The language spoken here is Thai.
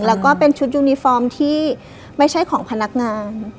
แล้วก็เป็นชุดยูนิฟอร์มที่ไม่ใช่ของพนักงาน